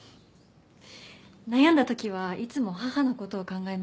悩んだ時はいつも母の事を考えます。